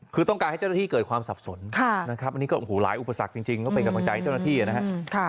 คือต้องการให้เจ้าหน้าที่เกิดความสับสนนะครับอันนี้ก็โอ้โหหลายอุปสรรคจริงก็เป็นกำลังใจเจ้าหน้าที่นะครับ